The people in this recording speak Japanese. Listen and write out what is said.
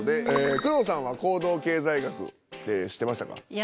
工藤さんは行動経済学って知ってましたか？